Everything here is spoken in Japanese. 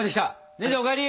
姉ちゃんお帰り！